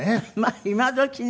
今どきね